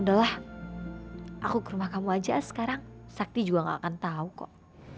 ya udahlah aku ke rumah kamu aja sekarang sakti juga gak akan tau kok